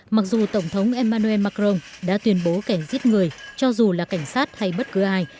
mặc dù tổng thống emmanuel macron đã tuyên bố cảnh giết người cho dù là cảnh sát hay bất cứ ai